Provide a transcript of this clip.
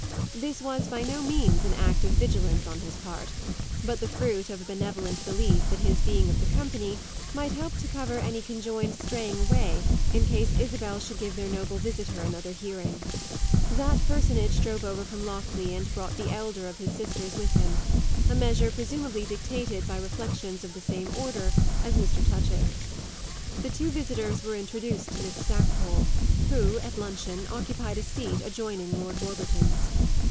This was by no means an act of vigilance on his part, but the fruit of a benevolent belief that his being of the company might help to cover any conjoined straying away in case Isabel should give their noble visitor another hearing. That personage drove over from Lockleigh and brought the elder of his sisters with him, a measure presumably dictated by reflexions of the same order as Mr. Touchett's. The two visitors were introduced to Miss Stackpole, who, at luncheon, occupied a seat adjoining Lord Warburton's.